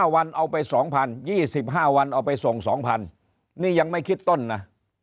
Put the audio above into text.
วันเอาไป๒๐๒๕วันเอาไปส่ง๒๐๐นี่ยังไม่คิดต้นนะ